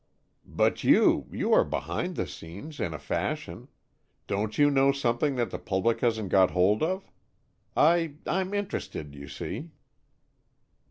"But you, you are behind the scenes, in a fashion. Don't you know something that the public hasn't got hold of? I I'm interested, you see."